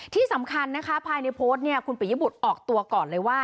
ที่สำคัญนะคะภายในโพสต์เนี่ยคุณปิยบุตรออกตัวก่อนเลยว่า